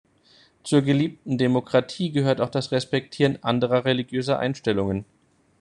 Zur geliebten Demokratie gehört auch das Respektieren anderer religiöser Einstellungen.